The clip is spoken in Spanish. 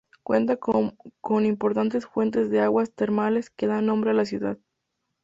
Cuenta con importantes fuentes de aguas termales, que dan nombre a la ciudad.